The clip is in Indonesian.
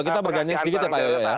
kita berganjeng sedikit ya pak yoyo ya